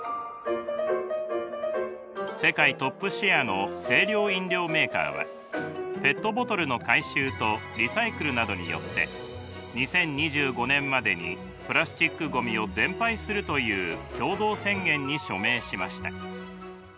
世界トップシェアの清涼飲料メーカーはペットボトルの回収とリサイクルなどによって２０２５年までにプラスチックごみを全廃するという共同宣言に署名しました。